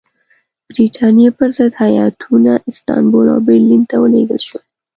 برټانیې پر ضد هیاتونه استانبول او برلین ته ولېږل شول.